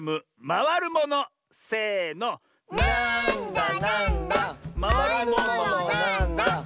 「まわるものなんだ？」